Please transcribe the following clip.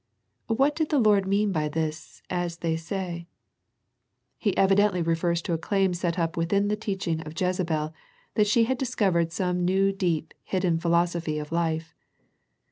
What did the Lord mean by this "as they say?" He evidently refers to a claim set up within the teaching of Jezebel, that she had discovered some new deep hidden philosophy of life.